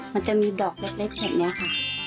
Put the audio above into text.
มันจะมีดอกเล็กแบบนี้ค่ะ